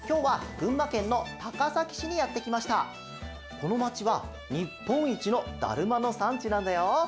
このまちはにっぽんいちのだるまのさんちなんだよ！